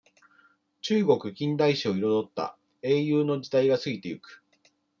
中国近代史をいろどった、英雄の時代が過ぎてゆく。